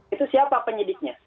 itu siapa penyidiknya